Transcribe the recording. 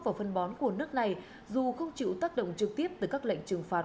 và phân bón của nước này dù không chịu tác động trực tiếp tới các lệnh trừng phạt